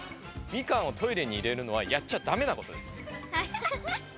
みかんをトイレに入れるのはやっちゃダメなことです。